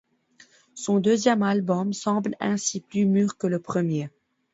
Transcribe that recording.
Son deuxième album semble ainsi plus mûr que le premier.